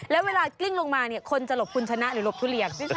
แล้วเวลากลิ้งลงมาเนี่ยคนจะหลบคุณชนะหรือหลบทุเรียน